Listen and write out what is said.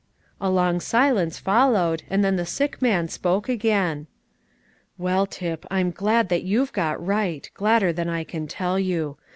A long silence followed, and then the sick man spoke again: "Well, Tip, I'm glad that you've got right, gladder than I can tell you.